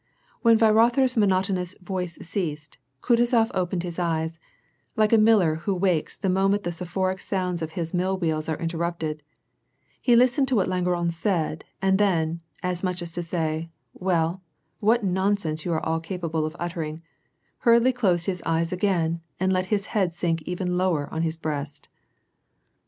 When Weirother's monotonous voice ceased, Kutuzof opened his eyes, like a miller who wakes the moment the soporific sounds of his mill wheels are interrupted ; he listened to what Langeron said, and then, as much as to say, " Well, what non sence you all are capable of uttering," hurriedly closed his eyes again, and let his head sink even lower on his breast.